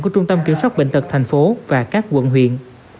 của trung tâm kiểm soát bệnh tật thành phố và các quận huyện